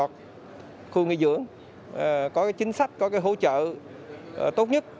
và một số khu lịch sọ khu nghỉ dưỡng có chính sách có hỗ trợ tốt nhất